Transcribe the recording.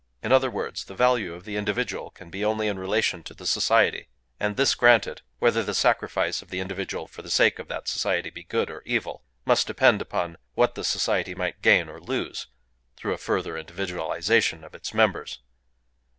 In other words, the value of the individual can be only in relation to the society; and this granted, whether the sacrifice of the individual for the sake of that society be good or evil must depend upon what the society might gain or lose through a further individualization of its members...